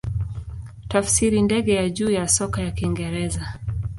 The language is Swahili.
Tafsiri ndege ya juu ya soka ya Kiingereza.